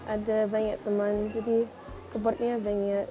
ada banyak teman jadi supportnya banyak